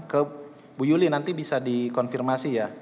ke bu yuli nanti bisa dikonfirmasi ya